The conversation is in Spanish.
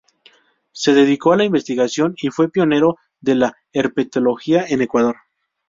Se dedicó a la investigación, y fue pionero de la Herpetología en Ecuador.